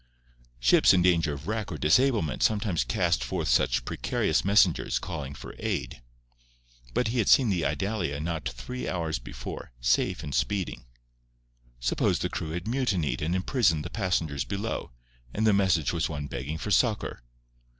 Ships in danger of wreck or disablement sometimes cast forth such precarious messengers calling for aid. But he had seen the Idalia not three hours before, safe and speeding. Suppose the crew had mutinied and imprisoned the passengers below, and the message was one begging for succour!